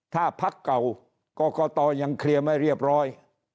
ถ้าพักเก่ากรกตยังเคลียร์ไม่เรียบร้อย